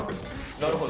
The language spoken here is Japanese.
なるほど。